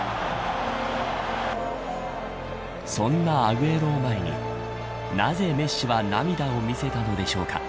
そんなアグエロを前になぜメッシは涙を見せたのでしょうか。